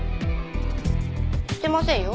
してませんよ。